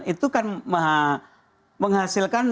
itu kan menghasilkan